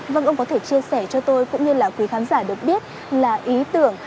vâng ông có thể chia sẻ cho tôi cũng như là quý khán giả được biết là ý tưởng